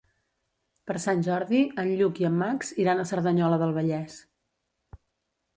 Per Sant Jordi en Lluc i en Max iran a Cerdanyola del Vallès.